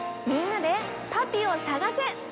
みんなでパピを探せ！